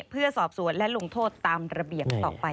เพื่อสอบสวนและลงโทษตามระเบียบต่อไป